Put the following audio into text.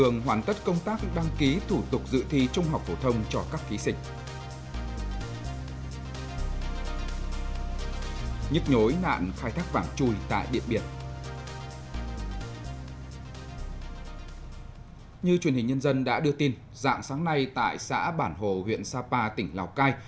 như truyền hình nhân dân đã đưa tin dạng sáng nay tại xã bản hồ huyện sapa tỉnh lào cai